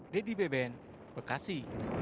dedy beben bekasi